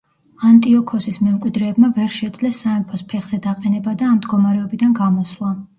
ანტიოქოსის მემკვიდრეებმა ვერ შეძლეს სამეფოს ფეხზე დაყენება და ამ მდგომარეობიდან გამოსვლა.